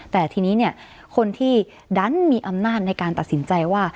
แต่ทีนี้คนที่ดันมีอำนาจในการตัดสินใจว่า